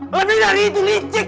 lebih dari itu licik